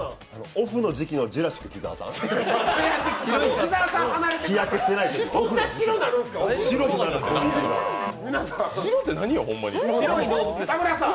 オフの時期のジュラシック木澤さん？